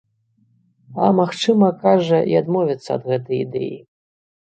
А магчыма, кажа, і адмовіцца ад гэтай ідэі.